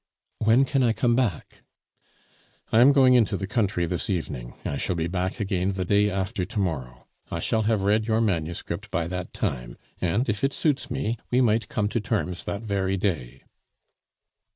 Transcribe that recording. "When can I come back?" "I am going into the country this evening; I shall be back again the day after to morrow. I shall have read your manuscript by that time; and if it suits me, we might come to terms that very day."